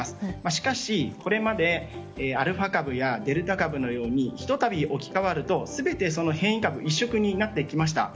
しかし、これまでアルファ株やデルタ株のようにひとたび置き換わると全て変異株が一色になってきました。